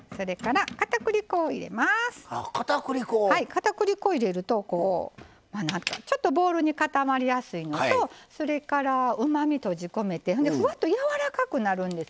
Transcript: かたくり粉入れるとこうまあなんかちょっとボールに固まりやすいのとそれからうまみ閉じ込めてふわっとやわらかくなるんですね。